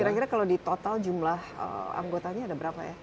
kira kira kalau di total jumlah anggotanya ada berapa ya